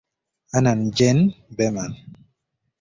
"Amann gen. Behmann".